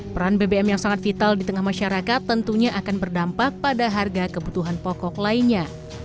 peran bbm yang sangat vital di tengah masyarakat tentunya akan berdampak pada harga kebutuhan pokok lainnya